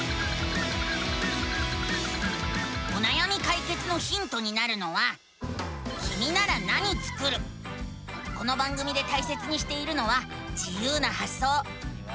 おなやみかいけつのヒントになるのはこの番組でたいせつにしているのは自ゆうなはっそう。